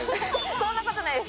そんな事ないです。